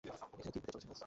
এখানে কি হতে চলেছে, মেস?